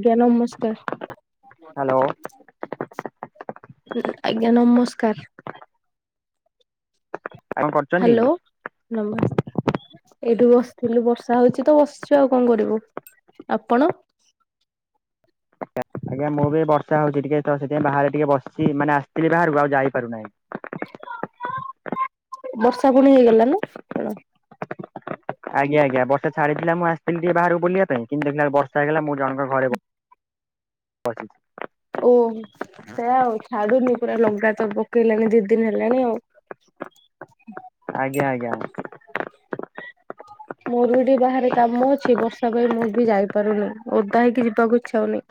ଆଜ୍ଞା ନମସ୍କାର। ହ୍ୟାଲୋ। ଆଜ୍ଞା ନମସ୍କାର। ଆପଣ କରୁଛନ୍ତି? ହ୍ୟାଲୋ ନମସ୍ ଏଇଠୁ ବସିଥିଲୁ ବର୍ଷା ହଉଛି ତ ବସିଛୁ ଆଉ କଣ କରିବୁ, ଆପଣ? ଆଜ୍ଞା ମୁଁ ବି ବର୍ଷା ହଉଛି ଟିକେ ତ ସେଥିପାଇଁ ବାହାରେ ଟିକେ ବସି ଚି ମାନେ ଆସିଥିଲି ବାହାରକୁ ଆଉ ଯାଇପାରୁନାହିଁ। ବର୍ଷା ପୁଣି ହେଇଗଲା ନା କଣ? ଆଜ୍ଞା ଆଜ୍ଞା ବର୍ଷା ଛାଡିଥିଲା ମୁଁ ଆସିଥିଲି ବାହାରକୁ ଟିକେ ବୁଲିବା ପାଇଁ କିନ୍ତୁ ଦେଖିଲା ବେଳକୁ ବର୍ଷା ହେଇଗଲା ମୁଁ ଜଣଙ୍କ ଘରେ ବ ଅଛି। ଓହ ସେ ଆଉ ଛାଡୁନି ପୁରା ଲଗାତର ପକେଇଲାଣି ଦି ଦିନ ହେଲାଣି ଆଉ। ଆଜ୍ଞା ଆଜ୍ଞା। ମୋର ବି ଟିକେ ବାହାରେ କାମ ଅଛି ବର୍ଷା ପାଇଁ ମୁଁ ବି ଯାଇପାରୁନି ଓଦା ହେଇକି ଯିବାକୁ ଇଛା ହଉନି।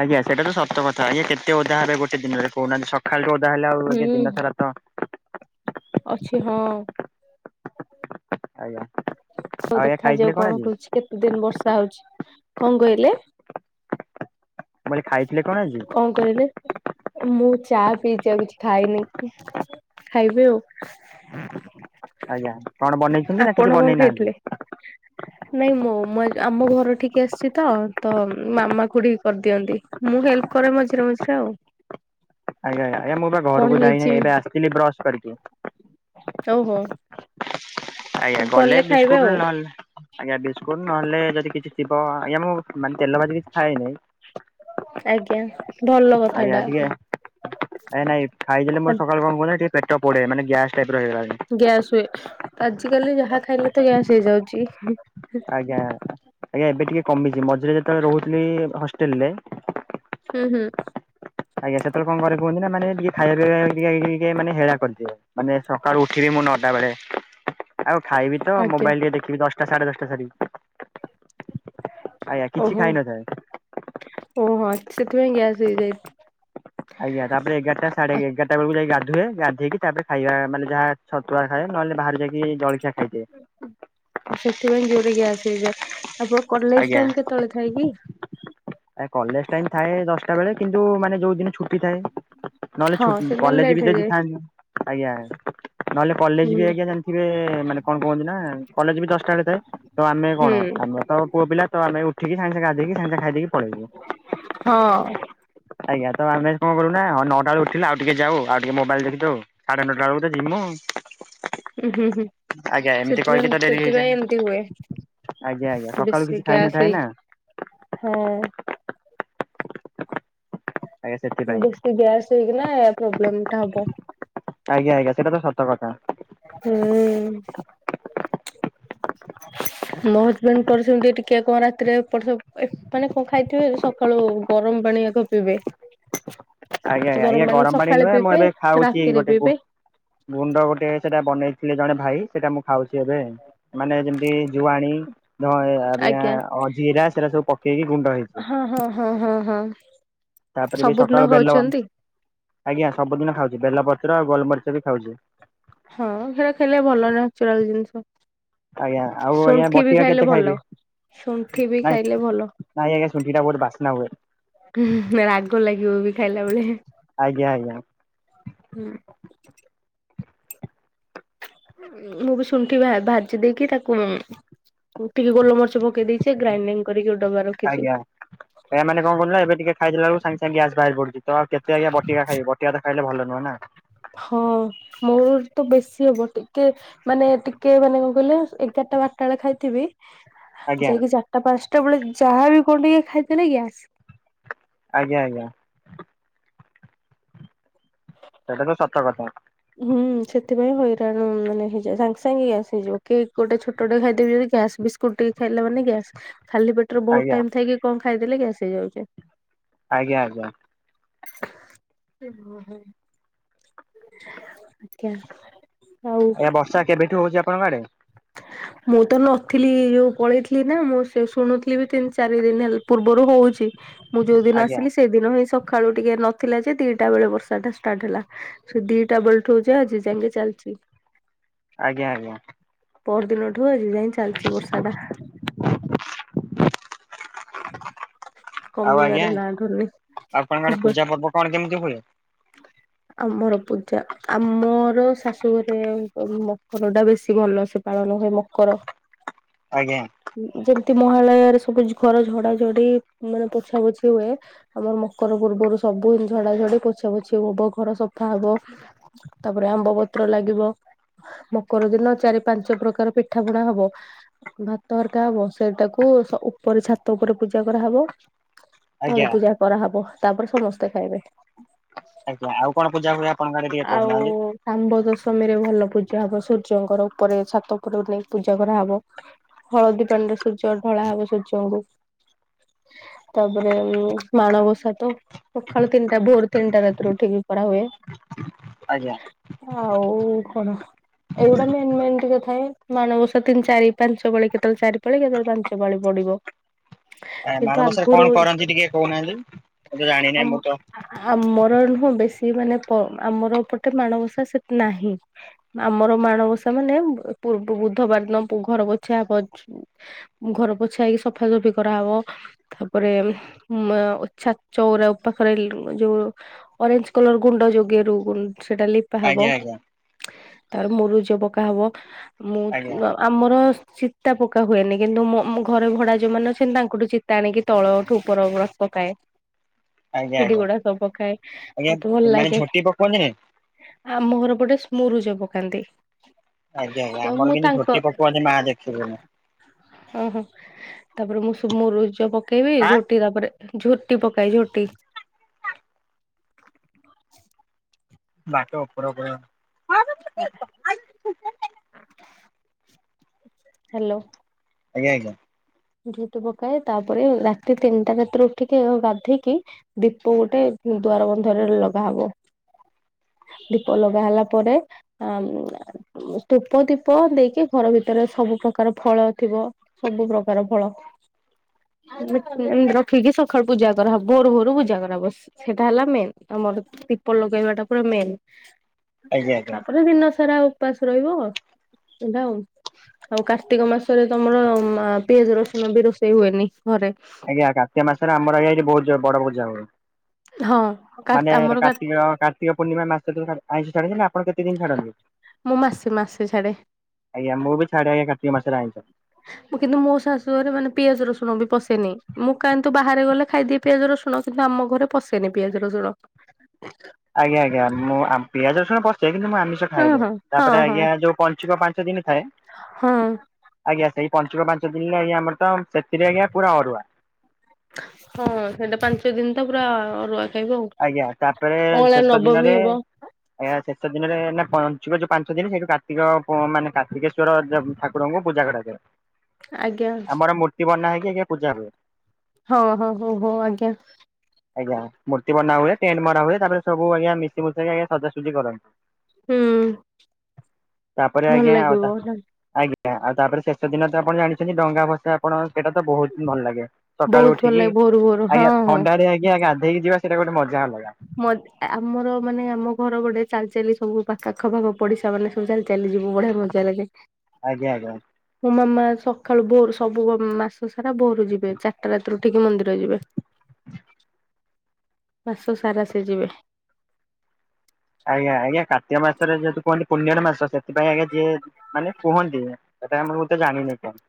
ଆଜ୍ଞା ସେଟା ତ ସତ କଥା ଏ କେତେ ଓଦା ହେବେଗୋଟେ ଦିନରେ କହୁନାହାନ୍ତି ସ ସଖାଳଠୁ ଓଦା ହେଲେ ଆଉ ହୁଁ ଦିନସାରା ତ ଅଛି ହଁ। ଆଜ୍ଞା। ହୋଉ ଆଉ ଆଜ୍ଞା ଦେଖା ଖାଇଥିଲେ ଯାଉ କଣ ଆଜି? କହୁଛି କେତେ ଦିନ ବର୍ଷା ହଉଛି, କଁ କହିଲେ? ମୁ କଲି ଖାଇଥିଲେ କଣ ଆଜି? କହିଲେ ମୁଁ ଚା ପିଇଛିି ଆଉ କିଛି ଖାଇନି। ଖାଇବି ଆଉ। ଆଜ୍ଞା କଣ ବନେଇଛନ୍ତି ନା ଆପଣ କିଛି କଣ ବନେଇ ଖାଇଥିଲେ? ନାହାନ୍ତି? ନାଇଁ ମୋ ମୁ ଆମ ଘର ଠିକି ଆସିଛି ତ ତ ମାମା ଖୁଡୀ କରିଦିଅନ୍ତି। ମୁଁ ହେଲ୍ପ କରେ ମଝିରେ ମଝିରେ ଆଉ। ଆଜ୍ଞା ଆଜ୍ଞା ମୁଁ ବା କଣ ଘରକୁ ଯାଇନିଁ ହେଇଛି ଏବେ ଆସିଥିଲି ବ୍ରଶ କରିକି। ସହୋ। ଆଜ୍ଞା ଗଲେ ବିସ୍କୁଟ ଆଉ ନହେଲେ ଆଜ୍ଞା ବିସ୍କୁଟ ନହେଲେ ଯଦି କିଛି ଥିବ ଆଜ୍ଞା ମୁଁ ମାନେ ତେଲଭାଜି କିଛି ଖାଇ ନେଇ। ଆଜ୍ଞା। ଭଲ କ ଆଜ୍ଞା ଟିକେ ନାଇ ନାଇ ଖାଇ ଦେଲେ ମୋର ସକାଳେ କଣ କୁହନି ଟିକେ ପେଟ ପୋଡେ ମାନେ ଗ୍ୟାସ୍ ଟାଇପ ର ହେଇଗଲାଣି। ଗ୍ୟାସ ହୁଏ, ଆଜ କାଲି ଯାହା ଖାଇଲେ ତ ଗ୍ୟାସ୍ ହେଇଯାଉଛି। ଆଜ୍ଞା ଆଜ୍ଞା ଏବେ ଟିକେ କମିଛି ମଝିରେ ଯେତେବେଳେ ରହୁଥିଲି ହଷ୍ଟେଲ ରେ ହୁଁ ହୁଁ। ଆଜ୍ଞା ସେତବେଳେ କଣକରେ କୁହନ୍ତି ନା ମାନେ ଟିକେ ଖାଇବାପିଇବା ଟିକେ ମାନେ ହେଳା କରିଦିଏ। ମାନେ ସକାଳୁ ଉଠିବି ମୁଁ ନଅଟା ବେଳେ ଆଉ ଖାଇବି ତ ଆଜ୍ଞା ମୋବାଇଲ ଟିକେ ଦେଖି ଖିବୀ ଦଶଟା ସାଢେ ଦଶଟା ସାରି। ଆଜ୍ଞା କିଛି ଓହୋ ଖାଇନଥାଏ ଓ ସେଥିପାଇଁ ଗ୍ୟାସ୍ ହେଇଯାଇ ଆଜ୍ଞା, ତାପରେ ଏଗାରଟା ସାଢେ ଏଗାର ବେଳେ ଯାଇକି ଗାଧୁଏ ଗାଧେଇକି ତାପରେ ଖାଇବା ମାନେ ଯାହା ଛତୁଆ ଖାଏ, ନହେଲେ ବାହାରେ ଯାଇକି ଜଳଖିଆ ଖାଇଦିଏ। ସେଥିପାଇଁ ଜୋରେ କି ଗ୍ୟାସ ହେଇଯାଏ, ଆପଣ କଲେଜ ଆଜ୍ଞା। ଟାଇମ କେତେବେଳେ ଥାଏ କି? କଲେଜ ଟାଇମ ଥାଏ ଦଶଟା ବେଳେ କିନ୍ତୁ ମାନେ ଯୋଉ ଦିନ ଛୁଟି ଥାଏ। ନହେଲେ ଛୁ‌ ହଁ ସେଦିନ କଲେଜ ଲେଟ୍ ବି ତ ଯିଏ ହେଇଯାଏ ଥାନ୍ତି ଆଜ୍ଞା। ନହେଲେ କଲେଜ ବି ହୁଁ ଆଜ୍ଞା ଜାଣିଥିବେ ମାନେ କଣ କୁହନ୍ତି, ନା କଲେଜ ବି ଦଶଟା ବେଳେ ଥାଏ। ତ ଆମେ କଣ ହୁଁ ଆମେ ତ ପୁଅ ପିଲା ତ ଆମେ ଉଠିକି ସାଙ୍ଗେ ସାଙ୍ଗେ ଗାଧେଇକି ସାଙ୍ଗେ ଖାଇଦେଇକି ଆଜ୍ଞା। ହଁ ଆଜ୍ଞା। ତ ଆମେ କଣ କରୁନା? ହଁ ନଅଟା ବେଳୁ ଉଠିଲେ। ଆଉ ଟିକେ ଯାଉ ଆଉ ଟିକେ ମୋବାଇଲ ଦେଖିଦଉ। ସାଢେ ନଅଟା ବେଳକୁ ତ ଯିମୁ। ହୁଁ ହୁଁ ହୁଁ ଆଜ୍ଞା ଏମିତି କହିକି ସେଥିପାଇଁ ତ ଡେରି ହେଇଯାଏ। ସେଥିପାଇଁ ଏମିତି ହୁଏ। ଆଜ୍ଞା ଆଜ୍ଞା ସକାଳୁ ବେଶୀ କିଛି ଗ୍ୟାସ ଖାଇନଥାଏ ହେଇ ନା ହଁ। ଆଜ୍ଞା ସେଥିପାଇଁ ବେଶୀ ଗ୍ୟାସ ହେଇକିନା ଏ ପ୍ରୋବ୍ଲେମ ଟା ହବ। ଆଜ୍ଞା ଆଜ୍ଞା ସେଟା ତ ସତ କଥା। ହୁଁ। [inaudible] ମୋ ହଜବେଣ୍ଡ ଙ୍କର ସେମିତି ଟିକେ କଣ ରାତିରେ ଏପଟ ସେପଟ ଏ ମାନେ କଣ ଖାଇଥିବେ ସକାଳୁ ଗରମ ପାଣି ଆଗ ପିଇବେ। ଆଜ୍ଞା ଆଜ୍ଞା ଗରମ ପାଣି ସକାଳେ ନୁହେଁ ମୁଁ ପିଇବେ ଏବେ ଖାଉଛି ରାତିରେ ଗୋଟେ କ ପିଇବେ ଗୁଣ୍ଡ ଗୋଟେ ସେଟା ବନେଇଥିଲେ ଜଣେ ଭାଇ ସେଟା ମୁଁ ଖାଉଛି ଏବେ। ମାନେ ଯେମିତି ଜୁଆଣୀ ଧ ଆ ଆଜ୍ଞା। ଅ ଜିରା ସେରା ସବୁ ପକେଇକି ଗୁଣ୍ଡ ହେଇଥିବ। ହଁ ହଁ ହଁ ହଁ ତାପରେ ବି ସକାଳୁ ସବୁଦିନ ବେଲ ଖାଉଛନ୍ତି? ଆଜ୍ଞା ସବୁଦିନ ଖାଉଛି ବେଲପତ୍ର ଆଉ ଗୋଲମରିଚ ବି ଖାଉଛି। ହଁ ହେରା ଖାଇଲେ ଭଲ ନାଚୁରାଲ ଜିନିଷ। ଆଜ୍ଞା ଆଉ ଆଜ୍ଞା ଶୁଣ୍ଠି ବି ବଟିକା ଖାଇଲେ କେତେ ଭଲ। ଖାଇବି? ଶୁଣ୍ଠି ବି ନାଇଁ ଖାଇଲେ ଭଲ ନାଇଁ ଆଜ୍ଞା ଶୁଣ୍ଠି ଟା ବୋହୁତ ବାସ୍ନା ହୁଏ। ହୁଁ ରାଗ ଲାଗିବ ବି ଖାଇଲା ବେଳେ ଆଜ୍ଞା ଆଜ୍ଞା ହଁ। ମୁଁ ବି ଶୁଣ୍ଠି ଭାଜି ଦେଇକି ତାକୁ ଟିକେ ଗୋଲମରିଚ ପକେଇ ଦେଇଛିି। ସେ ଗ୍ରାଇଣ୍ଡିଙ୍ଗ କରିକି ଗୋଟେ ଡବାରେ ରଖିଛି। ଏମାନେ କଣ କରୁଛନ୍ତି ଏବେ ଟିକେ ଖାଇ ଦେଲାକୁ ସାଙ୍ଗେ ସାଙ୍ଗେ ଗ୍ୟାସ ବାହାରି ପଡୁଛି। ତ କେତେ ଆଜ୍ଞା ବଟିକା ଖାଇବି ବଟିକା ଟା ଖାଇଲେ ଭଲ ନୁହେଁ ନା। ହଁ ମୋର ତ ବେଶୀ ହବ ଟିକେ ମାନେ ଟିକେ ମାନେ କଣ କହିଲେ ଏଗାରଟା ବାରଟା ବେଳେ ଖାଇଥିବି ଆଜ୍ଞା ଯାଇକି ଚାରିଟା ପାଞ୍ଚଟା ବେଳେ ଯାହାବି କଣ ଟିକେ ଖାଇଦେଲେ ଗ୍ୟାସ। ଆଜ୍ଞା ଆଜ୍ଞା। ସେଟା ତ ସତ କଥା। ହୁଁ ସେଥିପାଇଁ ହଇରାଣ ମାନେ ହେଇଯିବ ସାଙ୍ଗେ ସାଙ୍ଗେ ଗ୍ୟାସ୍ ହେଇଯିବ। କେକ୍ ଗୋଟେ ଛୋଟଟେ ଖାଇଦେବି ଯଦି ଗ୍ୟାସ୍ ବିସ୍କୁ ଟକି ଖାଇଲା ମାନେ ଗ୍ୟାସ୍। ଖାଲି ପେଟରେ ବୋହୁତ ଆଜ୍ଞା ଟାଇମ ଥାଇକି କଣ ଖାଇଦେଲେ ଗ୍ୟାସ୍ ହେଇଯାଉଛି। ଆଜ୍ଞା ଆଜ୍ଞା। ଏ ହଁ ହଁ। ଆଜ୍ଞା। ଆଜ୍ଞା ବର୍ଷା କେବେଠୁ ହଉଛି ଆପଣଙ୍କ ଆଡେ? [inaudible] ମୁଁ ତ ନଥିଲି ଯୋଉ ପଳେଇଥିଲି ନା। ମୁଁ ସେ ଶୁଣୁଥିଲି ବି ତିନି ଚାରି ଦିନ ପୂର୍ବରୁ ହଉଛି। ମୁଁ ଯୋଉ ଦିନ ଆଜ୍ଞା ଆସିଲି। ସେଦିନ ହିଁ ସକାଳୁ ଟିକେ ନଥିଲା ଯେ ଦିଟା ବେଳେ ବର୍ଷା ଟା ଷ୍ଟାର୍ଟ ହେଲା। ସେ ଦିଟା ବେଳଠୁ ଆଜି ଯାଏଁ ଚାଲିଛି। ଆଜ୍ଞା ଆଜ୍ଞା। ପରଦିନଠୁ ଆଜି ଯାଏଁ ଚାଲିଛି ବର୍ଷା ଟା। ଆଉ ଆଜ୍ଞା କମିବାର ନାଁ ଧରୁନି ଖବର। କଣ କେମିତି ହୁଏ? ହଁ ଆମର ପୂଜା ଆମର ଶାଶୁଘରେ ମକର ଟା ବେଶୀ ଭଲ ସେ ପାଳନ ହୁଏ ମକର। ଆଜ୍ଞା। ଯେମିତି ମହାଳୟରେ ସବୁ ଘର ଝଡାଝଡି ମାନେ ପୋଛା ପୋଛି ହୁଏ। ଆମର ମକର ପୂର୍ବରୁ ସବୁ ଝଡା ଝଡି ପୋଛା ପୋଛି ହବ ଘର ସଫା ହବ ତାପରେ ଆମ୍ବ ପତ୍ର ଲାଗିବ। ମକର ଦିନ ଚାରି ପାଞ୍ଚ ପ୍ରକାର ପିଠା ପଣା ହବ। ଭାତ ହରକା ହବ ସେଇଟାକୁ ସ ଉପରେ ଛାତ ଉପରେ ପୂଜା କରାହବ। ତଳେ ଆଜ୍ଞା ପୂଜା କରାହବ ତାପରେ ସମସ୍ତେ ଖାଇବେ। ଆଜ୍ଞ ଆଉ କଣ ପୂଜା ହୁଏ ଆପଣଙ୍କ କଡେ ଟିକେ କହୁନାହାନ୍ତି? ସାମ୍ବ ଦଶମୀ ରେ ଭଲ ପୂଜା ହବ ସୂର୍ଯ୍ୟଙ୍କର ଉପରେ ଛାତ ଉପରେ ନେଇ ପୂଜା କରାହବ। ହଳଦୀ ପାଣିରେ ସୂର୍ଯ୍ୟ ଢଳା ହବ ସୂର୍ଯ୍ୟଙ୍କୁ। ତାପରେ ମାଣବସା ତ ସକାଳୁ ତିନିଟା ଭୋର ତିନିଟା ରାତିରୁ ଉଠିକି ପାଢା ହୁଏ। ଆଜ୍ଞା। ଆଉ କଣ ଏଇଗୁଡା ମେନ୍ ମେନ୍ ଟିକେ ଥାଏ ମାଣବସା ତିନି ଚାରି ପାଞ୍ଚ ପାଳି କେତେବେଳେ ଚାରି ପାଳି କେତେବେଳେ ପାଞ୍ଚ ପାଳି ପଡିବ। ଆ କିନ୍ତୁ ମାଣବସାରେ ଆଗରୁ କଣ କରନ୍ତି ଟିକେ କହୁନାହାନ୍ତି ମୁଁ ତ ଆମ ଜାଣିନାହିଁ ମୁଁ ତ ଆମର ନୁହଁ ବେଶୀ ମାନେ ପ ଆମରପଟେ ମାଣବସା ସେ ନାହିଁ। ଆମର ମାଣବସା ମାନେ ପୂର୍ବ ବୁଧବାର ଦିନ ପୁ ଘର ପୋଛା ହବ ଝୋ ଘର ପୋଛା ହେଇକି ସଫାସଫି କରାହବ। ତାପରେ ମ୍ ଛା ଚଉରା ଉ ପାଖରେ ଲି ଯୋଉ ଅରେଞ୍ଜ କଲର ଗୁଣ୍ଡ ଯୋଉ ଗେରୁ ସେଟା ଲିପା ହବ। ଆଜ୍ଞା ଆଜ୍ଞା ତାପରେ ମୁରୁଜ ପକା ହବ ମୁଁ ଆଜ୍ଞା ମ ଆମର ଚିତା ପକା ହୁଏନି କିନ୍ତୁ ମୁଁ ମ ଘରେ ଭଡା ଯୋଉମାନେ ଅଛନ୍ତି ତାଙ୍କଠୁ ଚିତା ଆଣିକି ତଳଠୁ ଉପର ପକାଏ। ଆଜ୍ଞା ସିଡି ଆଜ୍ଞା। ଗୁଡା ସବୁ ପକାଏ ଆଜ୍ଞା ମତେ ଭଲ ମାନେ ଲାଗେ। ଝୋଟି ପକୁଅନ୍ତିନି ଆମ ଘର ପଟେ ମୁରୁଜ ପକାନ୍ତି। ଆଜ୍ଞା ତ ଆଜ୍ଞା ମୁଁ ଆମର କିନ୍ତୁ ତାଙ୍କ ଝୋଟି ପକୁଆନ୍ତି ମା ଦେଖିବୁନି। ଓହୋ ତାପରେ ମୁଁ ସବ ମୁରୁଜ ପକେଇବି ଆଁ ଝୋଟି ତାପରେ ଝୋଟି ପକାଏ ଝୋଟି। ବାଟ ଉପର ଉପର ଆଜ୍ଞା ହା ହ୍ୟାଲୋ। ଆଜ୍ଞା ଆଜ୍ଞା। ଝୁଟୁ ପକାଏ ତାପରେ ରାତି ତିନିଟା ରାତିରେ ଉଠିକି ଗାଧେଇକି ଦୀପ ଗୋଟେ ଦ୍ୱାର ବନ୍ଧରେ ଲଗାହବ। ଦ୍ୱୀପ ଲଗା ହେଲା ପରେ ଆମ୍ ଧୂପ ଦୀପ ଦେଇକି ଘର ଭିତରେ ସବୁ ପ୍ରକାର ଫଳ ଥିବ ସବୁ ପ୍ର କାର ଫଳ ରଖିକି ସକାଳୁ ପୂଜା କରାହବ ଭୋରୁ ଭୋରୁ ପୂଜା କରାହବ। ସେଟା ହେଲା ମେନ୍ ଆମର ଦ୍ୱୀପ ଲଗେଇବା ଟା ପୁରା ମେନ୍। ଆଜ୍ଞା ଆଜ୍ଞା ତାପରେ ଦିନ ସାରା ଆଉ ଉପାସ ରହିବ ଦାଉଁ ଆଉ କାର୍ତ୍ତିକ ମାସରେ ତମର ମା ପିଆଜ ରସୁଣ ବି ରୋଷେଇ ହୁଏନି ଘରେ। ଆଜ୍ଞା କାର୍ତିକ ମାସରେ ଆମର ଆଜ୍ଞା ବୋହୁତ୍ ଜୋର୍ ବଡ ଭଜି ହବ। ହଁ କା ମାନେ ଆମର ଏଟା କାର୍ତ୍ତିକ କାର୍ତ୍ତିକ ପୂର୍ଣ୍ଣିମା ମାସଠାରୁ ଖା ଆଇଁଷି ଛାଡନ୍ତି ନା ଆପଣ କେତେ ଦିନ୍ ଛାଡନ୍ତି? ମୁଁ ମାସେ ମାସେ ଛାଡେ। ଆଜ୍ଞା। ମୁଁ ବି ଛାଡେ ଆଜ୍ଞା କାର୍ତ୍ତିକ ମାସରେ ଆଇଁସ। ମୁଁ କିନ୍ତୁ ମୋ ଶାଶୁଘରେ ମାନେ ପିଆଜ ରସୁଣ ବି ପଶେନି, ମୁଁ କାନ୍ତୁ ବାହାରେ ଗଲେ ଖାଇଦିଏ। ପିଆଜ ରସୁଣ କିନ୍ତୁ ଆମ ଘରେ ପଶେନି ପିଆଜରସୁଣ। ଆଜ୍ଞା ଆଜ୍ଞ। ମୁଁ ଆମ୍ ପିଆଜ ରସୁଣ ପଶେ କିନ୍ତୁ ମୁଁ ଆମିସ ସ ହଁ ଖାଇଲୁ ହଁ ହଁ ତାପରେ ହଁ ଆଜ୍ଞା ଯୋଉ ପଞ୍ଚୁିକ ପାଞ୍ଚ ଦିନି ଥାଏ ହଁ। ଆଜ୍ଞା। ସେଇ ପାଞ୍ଚୁକ ପାଞ୍ଚ ଦିନି ଆଜ୍ଞା ଆମର ତ ସେଥିରେ ଆଜ୍ଞା ପୁରା ଅରୁଆ ହଁ ସେଇଟା ପାଞ୍ଚ ଦିନ୍ ତ ପୁରା ଅରୁଆ ଖାଇବ ଆଉ। ଆଜ୍ଞା। ତାପରେ ଅଁଳା ଶେଷ ନବମୀ ଦିନରେ ହେବ। କାହିଁକି ନା ଶେଷ ଦିନରେ ନା ପଞ୍ଚୁକ ଯୋଉ ପାଞ୍ଚ ଦିନ୍ ସେଇଠୁ କାର୍ତ୍ତିକ ପୁ ମାନେ କାର୍ତ୍ତିକେଶ୍ଵ ଚୋର ଯବ୍ ଠାକୁରଙ୍କୁ ପୂଜା କରାଯାଏ। ଆଜ୍ଞା ଆମର ମୂର୍ତ୍ତି ବନା ହେଇକି ଆଜ୍ଞା ପୂଜା ହୁଏ। ହଁ ହଁ ହୋଉ ହୋଉ ଆଜ୍ଞା। ଆଜ୍ଞା ମୂ ସିଏ ବାନାହୁଏ ଟେଣ୍ଟ ମରାହୁଏ ତାପରେ ସବୁ ଆଜ୍ଞା ମିଶି ମୂଷାକି ଆଜ୍ଞା ସଜାସୁଜି କରନ୍ତି। ହୁଁ ତାପରେ ଭଲ ଆଜ୍ଞା ଆଉ ଲାଗିବ। ତା ନା। ଆଜ୍ଞା ଆଜ୍ଞା। ଆଉ ତାପରେ ଶେଷ ଦିନ ତ ଆପଣ ଜାଣିଛନ୍ତି ଡଙ୍ଗା ଭସା ଆପଣ ସେଇଟା ତ ବୋହୁତ୍ ହିଁ ଭଲ ଲାଗେ ସକାଳୁ ବହୁତ ଭଲ ଉଠିକି ଲାଗେ ଭୋରୁ ଭୋରୁ ଆଜ୍ଞା ହଁ ହଁ। ଥଣ୍ଡା ରେ ଆଜ୍ଞା ଆାଧେଇକି ଯିବା ସେଇଟା ଗୋଟେ ମଜା ଅଲଗା। ମ ଆମର ମାନେ ଆମ ଘର ପଟେ ଚାଲି ଚାଲି ସବୁ ପାଖ ଆଖ ପାଖ ପଡିଶା ତା ମାନେ ସବୁ ଚାଲି ଚାଲି ଯିବୁ ବଢିଆ ମଜା ଲାଗେ। ଆଜ୍ଞା ଆଜ୍ଞା। ମୋ ମାମା ସଖାଳୁ ବୋରୁ ସବୁ ବ ମାସ ସାରା ବୋରୁ ଯିବେ ଚାର୍ଟା ରାତିରୁ ଉଠିକି ମନ୍ଦିର ଯିବେ। ମାସ ସାରା ସେ ଯିବେ। ଆଜ୍ଞା ଆଜ୍ଞା କାର୍ତିକ ମାସରେ ଯେହେତୁ କୁହନ୍ତି ପୂନ୍ୟର ମାସ ସେଥିପାଇ ଆଜ୍ଞା ଯିଏ ମାନେ କୁହନ୍ତି। ସେଟା ଆମର ବୋଧେ ଜାଣିନି କଣ।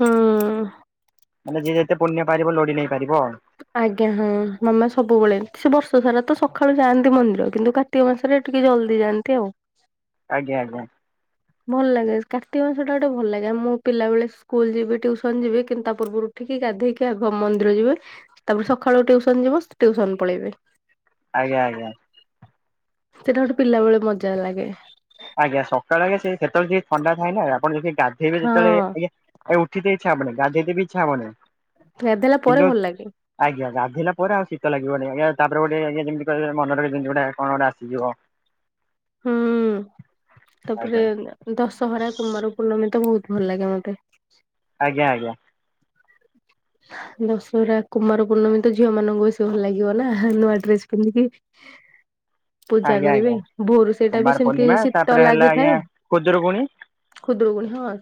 ହଁ। ମାନେ ଯିଏ ଯେତେ ପୁଣ୍ୟ ପାରିବ ଲୋଡି ନେଇ ପାରିବ ଆଉ। ଆଜ୍ଞା ହଁ ମାମା ସବୁବେଳେ ସେ ବର୍ଷ ସାରା ତ ସଖାଳୁ ଯାଆନ୍ତି ମନ୍ଦିର କିନ୍ତୁ କାର୍ କାର୍ତ୍ତିକ ମାସରେ ଟିକେ ଜଲ୍ଦି ଯାଆନ୍ତି ଆଉ। ଆଜ୍ଞା ଆଜ୍ଞା। ଭଲ୍ ଲାଗେ କାର୍ତ୍ତିକ ମାସଟା ଗୋଟେ ଭଲ୍ ଲାଗେ ମୁଁ ପିଲାବେଳେ ସ୍କୁଲ୍ ଯିବି ଟ୍ୟୁସନ୍ ଯିବି କିନ୍ତୁ ତା ପୂର୍ବୁରୁ ଉଠିକ ଗାଧେଇକି ଆଗ ମନ୍ଦିର ଯିବି, ତାପରେ ସଖାଳୁ ଟ୍ୟୁସନ୍ ଯିବୁ ଟ୍ୟୁସନ୍ ପଳେଇବେ। ଆଜ୍ଞା ଆଜ୍ଞା। ସେଟା ଗୋଟେ ପିଲାବେଳେ ମଜା ଲାଗେ। ଆଜ୍ଞା ସକାଳେ ଆଜ୍ଞା ସେଇ ସେତେବେଳେ ଟିକେ ଥଣ୍ଡା ଥାଏ ନା ଆପଣ ନିଜେ ଗାଧେଇବେ ଯେତେବେଳେ ହଁ ଆଜ୍ଞା ଉଠିଦେଇଚି। ଇଚ୍ଛା ହବନେଇଁ ଗାଧେଇତେ ବି ଇଚ୍ଛା ହବନେଇଁ। ଗାଧେଇଲା ପରେ ଭଲ୍ ଲାଗେ। ଆଜ୍ଞା ଗାଧେଇଲା ପରେ ଆଉ ଶୀତ ଲାଗିବନେଇଁ ଆଜ୍ଞା। ତାପରେ ଗୋଟେ ଆଜ୍ଞା ଯେମତି କଇବେ ମନରେ ଯେମିତି ଗୋଟାଏ କଣ ଗୋଟେ ଆସିଯିବ। ହୁଁ, ତାପରେ ଆଜ୍ଞା ଦଶହରା କୁମାର ପୂର୍ଣ୍ଣମୀ ତ ବୋହୁତ୍ ଭଲ ଲାଗେ ମତେ। ଆଜ୍ଞା ଆଜ୍ଞା। ଦଶହରା କୁମାର ପୂର୍ଣ୍ଣମୀ ତ ଝିଅ ମାନଙ୍କୁ ବେଶୀ ଭଲ ଲାଗିବ ନା ନୂଆ ଡ୍ରେସ ପିନ୍ଧିକି। [inaudible] ପୂଜା ଆଜ୍ଞା କରିବେ ଆଜ୍ଞା ଭୋରୁ ସେଇଟା ବି କୁମାର ସେମିତି ପୂର୍ଣ୍ଣିମା ଶୀତ ତାପରେ ହେଲା ଆଜ୍ଞା ଲାଗିଥାଏ। ଖୁଦୁରୁକୁଣୀ ଖୁଦୁରୁକୁଣୀ ହଁ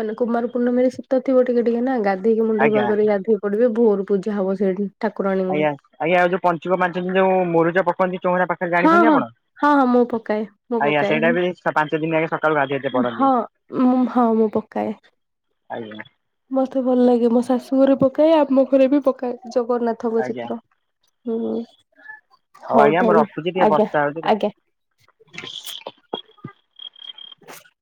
ମାନେ କୁମାର ପୂର୍ଣ୍ଣମୀରେ ଶୀତ ଥିବ ଟିକେ ଟିକେ ନା ଗାଧେଇକି ମୁଣ୍ଡ ଆଜ୍ଞା କରି ଗାଧେଇ ପଡ଼ିବେ ଭୋରୁ ପୂଜା ହବ ସେଇଠି। ଠାକୁରାଣୀଙ୍କୁ ଆଜ୍ଞା ଆଜ୍ଞା ଆଉ ଯୋଉ ପଞ୍ଚୁକ ପାଞ୍ଚ ଦିନି ଯୋଉ ମୁରୁଜ ପକାନ୍ତି ଚୋଉଁରା ପା ହଁ ଜାଣିଛନ୍ତି ହଁ ଆପଣ। ହଁ ହଁ ମୁଁ ପକାଏ ମୁଁ ଆଜ୍ଞା ପକାଏ ସେଇଟା ବି ପାଞ୍ଚ ଦିନ ଆଗେ ସକାଳୁ ଗାଧେଇ ଆସି ପଢ଼ନ୍ତି। ହଁ ମୁଁ ହଁ ମୁଁ ପକାଏ। ଆଜ୍ଞା। ମତେ ଭଲ ଲାଗେ ମୋ ଶାଶୁ ଘରେ ପକାଏ ଆମ ଘରେ ବି ପକାଏ ଜଗନ୍ନାଥଙ୍କ ଆଜ୍ଞା ଚିତ୍ର। ହୁଁ ହଉ ଆଜ୍ଞା ମୁଁ ତାହଲେ ରଖୁଛି ଟିକେ ଆଜ୍ଞା ବର୍ଷା ହଉଛି ଆଜ୍ଞା। [unintelligible] [unintelligible]